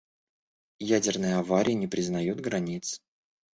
Ядерные аварии не признают границ.